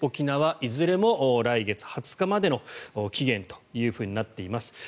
いずれも来月２０日までの期限というふうになっています。